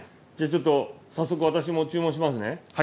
じゃあちょっと早速私も注文しますね。